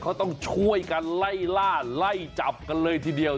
เขาต้องช่วยกันไล่ล่าไล่จับกันเลยทีเดียว